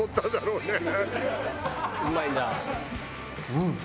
うん！